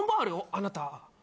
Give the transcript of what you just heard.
あなた。